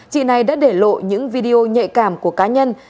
chị này đã để lộ những video nhạy cảm của cá nhân